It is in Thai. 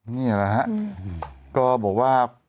นี่แหละฮะก็บอกว่า